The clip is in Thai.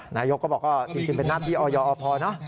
หน้าโยคก็บอกว่าจริงสำหรับอ่ออย่อออพอเนาะ